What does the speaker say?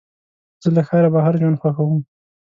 زه له ښاره بهر ژوند خوښوم.